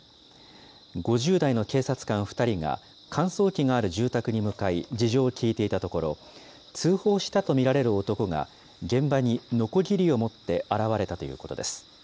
５０代の警察官２人が乾燥機がある住宅に向かい、事情を聴いていたところ、通報したと見られる男が現場にのこぎりを持って現れたということです。